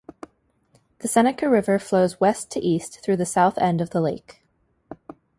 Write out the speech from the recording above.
The Seneca River flows west to east through the south end of the lake.